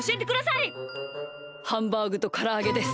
ハンバーグとからあげです。